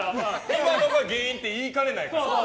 今のが原因だと言いかねないから。